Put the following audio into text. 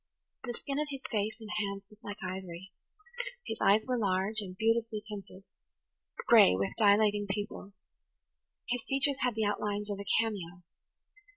The skin of his face and hands was like ivory; his eyes were large [Page 81] and beautifully tinted–gray, with dilating pupils; his features had the outlines of a cameo.